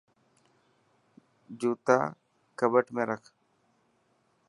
جوتا ڪٻٽ ۾ رک.